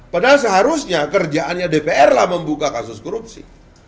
padahal seharusnya kerjaannya dpr lah membuka kasus korupsi